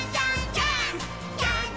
ジャンプ！！」